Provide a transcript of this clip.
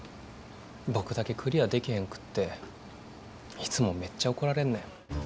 僕だけクリアでけへんくっていつもめっちゃ怒られんねん。